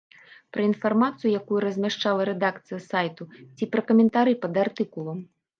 Пра інфармацыю, якую размяшчала рэдакцыя сайту, ці пра каментары пад артыкулам?